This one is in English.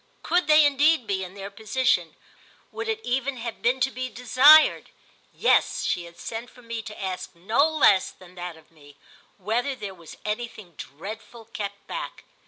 Could they indeed be, in their position—would it even have been to be desired? Yes, she had sent for me to ask no less than that of me—whether there was anything dreadful kept back.